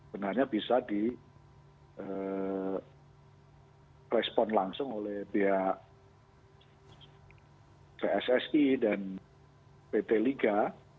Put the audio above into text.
benarnya bisa di respon langsung oleh pihak pssi dan pt liga